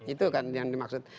itu kan yang dimaksud